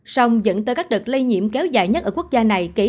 song dẫn tới các đợt lây nhiễm kéo dài nhất ở quốc gia này